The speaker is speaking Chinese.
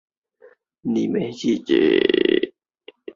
深山毛茛为毛茛科毛茛属下的一个种。